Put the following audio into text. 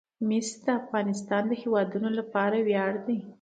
مس د افغانستان د هیوادوالو لپاره ویاړ دی.